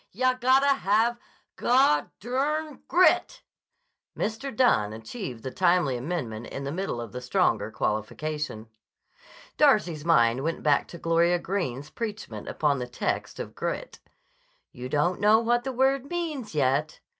Yah gotta have gu—grit." Mr. Dunne achieved the timely amendment in the middle of the stronger qualification. Darcy's mind went back to Gloria Greene's preachment upon the text of "grit": "You don't know what the word means, yet."